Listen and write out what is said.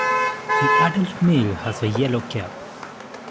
The adult male has a yellow cap.